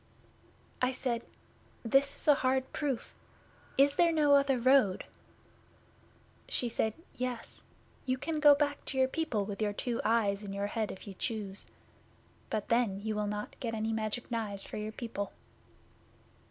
'I said, "This is a hard proof. Is there no other road?" 'She said, "Yes. You can go back to your people with your two eyes in your head if you choose. But then you will not get any Magic Knives for your people."